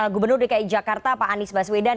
gubernur dki jakarta pak anies baswedan